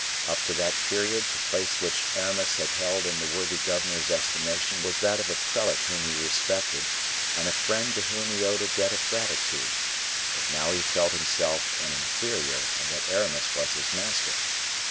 Up to that period, the place which Aramis had held in the worthy governor's estimation was that of a prelate whom he respected and a friend to whom he owed a debt of gratitude; but now he felt himself an inferior, and that Aramis was his master.